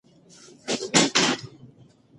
هیلې له ځان سره په ورو غږ وبونګېده.